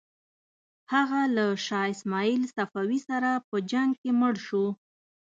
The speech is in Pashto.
هغه له شاه اسماعیل صفوي سره په جنګ کې مړ شو.